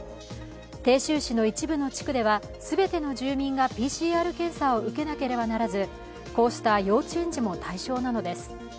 鄭州市の一部の地区では全ての住民がＰＣＲ検査を受けなければならずこうした幼稚園児も対象なのです。